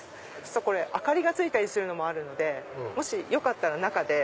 これ明かりがついたりするのもあるのでもしよかったら中で。